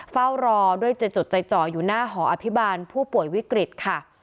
เฝ้ารอด้วยใจจดใจจ่ออยู่หน้าหออภิบาลผู้ป่วยวิกฤตค่ะ